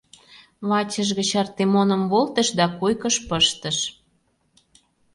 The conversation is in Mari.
Вачыж гыч Артемоным волтыш да койкыш пыштыш.